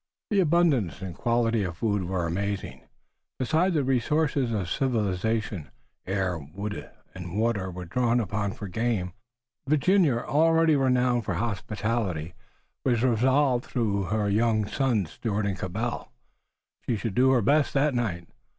The abundance and quality of the food were amazing. Besides the resources of civilization, air, wood and water were drawn upon for game. Virginia, already renowned for hospitality, was resolved that through her young sons, Stuart and Cabell, she should do her best that night.